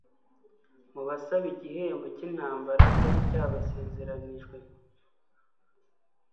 mu basaba igihembo cy’intambara cyari cyabasezeranijwe